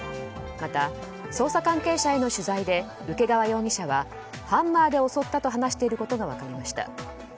また、捜査関係者への取材で請川容疑者はハンマーで襲ったと話していることが分かりました。